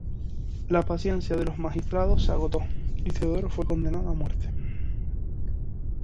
La paciencia de los magistrados se agotó, y Teodoro fue condenado a muerte.